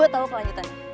gue tau kelanjutan